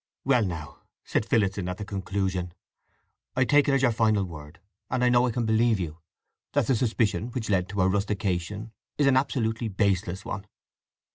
"Well now," said Phillotson at the conclusion, "I take it as your final word, and I know I can believe you, that the suspicion which led to her rustication is an absolutely baseless one?"